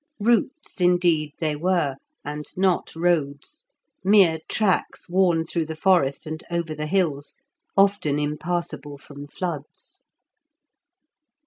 Routes, indeed, they were, and not roads; mere tracks worn through the forest and over the hills, often impassable from floods.